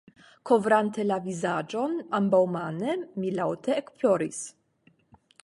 Kovrante la vizaĝon ambaŭmane, mi laŭte ekploris.